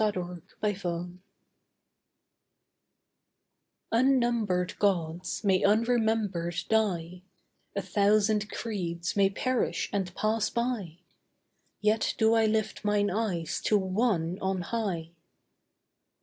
THE NAMELESS Unnumbered gods may unremembered die; A thousand creeds may perish and pass by; Yet do I lift mine eyes to ONE on high.